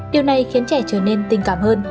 điều này khiến trẻ trở nên tình cảm hơn